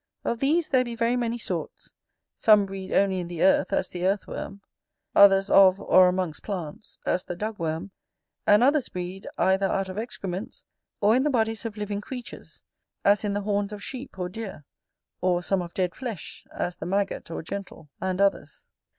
Of these there be very many sorts: some breed only in the earth, as the earth worm; others of, or amongst plants, as the dug worm; and others breed either out of excrements, or in the bodies of living creatures, as in the horns of sheep or deer; or some of dead flesh, as the maggot or gentle, and others.